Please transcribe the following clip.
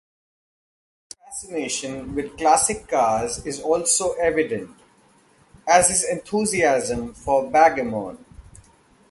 Clark's fascination with classic cars is also evident, as his enthusiasm for backgammon.